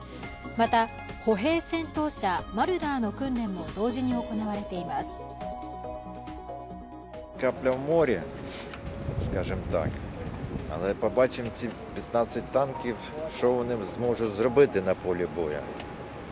また、歩兵戦闘車マルダーの訓練も同時に行われています。